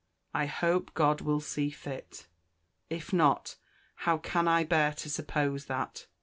—I hope God will see fit—if not (how can I bear to suppose that!)